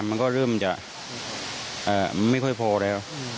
มันก็เริ่มจะไม่ค่อยพอแล้ว